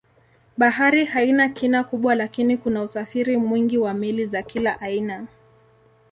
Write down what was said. Bahari haina kina kubwa lakini kuna usafiri mwingi wa meli za kila aina.